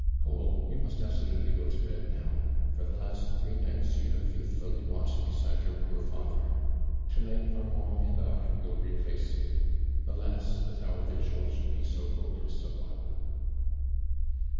"Paul, yoii must absolutely go to bed now. For the last three nights you have faithfully watched beside your poor father. To night Armand and I will replace you. Alas I that our vigil should be so hopeless a one